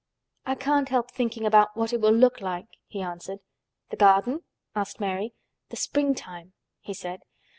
"I can't help thinking about what it will look like," he answered. "The garden?" asked Mary. "The springtime," he said.